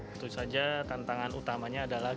tentu saja tantangan utamanya adalah